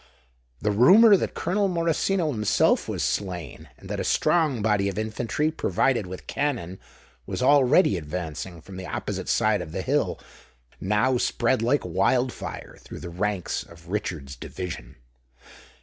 The rumour that Colonel Morosino himself was slain, and that a strong body of infantry, provided with cannon, was already advancing from the opposite side of the hill, now spread like wild fire through the ranks of Richard's division.